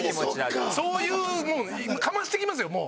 そういうかまして来ますよもう。